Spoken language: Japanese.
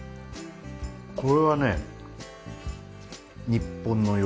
これはね。